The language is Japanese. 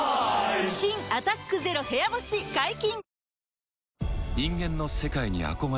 新「アタックＺＥＲＯ部屋干し」解禁‼